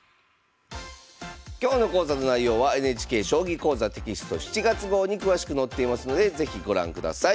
今日の講座の内容はＮＨＫ「将棋講座」テキスト７月号に詳しく載っていますので是非ご覧ください。